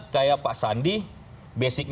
kayak pak sandi